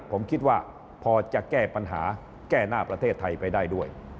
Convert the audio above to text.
ผมคิดว่าพอจะแก้ปัญหาแก้หน้าประเทศไทยไปได้ด้วย